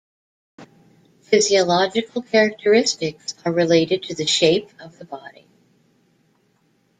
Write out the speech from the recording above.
Physiological characteristics are related to the shape of the body.